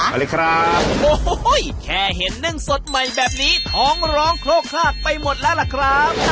มาเลยครับโอ้โหแค่เห็นนึ่งสดใหม่แบบนี้ท้องร้องโครกคลากไปหมดแล้วล่ะครับ